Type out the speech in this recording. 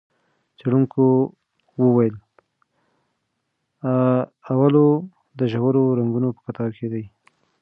څېړونکو وویل، اولو د ژورو رنګونو په کتار کې دی.